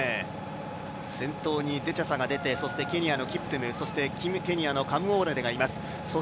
先頭にデチャサが出てケニアのキプトゥム、そしてケニアのカムウォロレがいます。